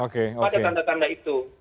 tidak ada tanda tanda itu